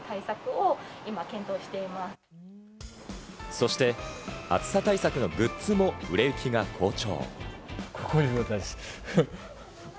そして、暑さ対策のグッズも売れ行きが好調。